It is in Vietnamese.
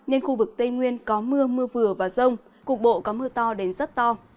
nên khu vực tây nguyên có mưa mưa vừa và rông cục bộ có mưa to đến rất to